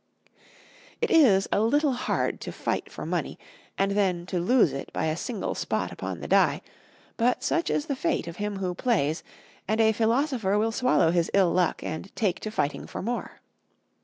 It is a little hard to fight for money and then to lose it by a single spot upon the die, but such is the fate of him who plays, and a philosopher will swallow his ill luck and take to fighting for more.